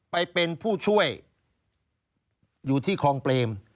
ไปเป็นผู้ช่วยอยู่ที่คลองเปรม